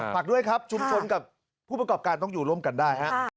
ฝากด้วยครับชุมชนกับผู้ประกอบการต้องอยู่ร่วมกันได้